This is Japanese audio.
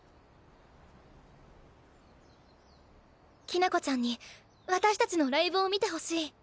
きな子ちゃんに私たちのライブを見てほしい。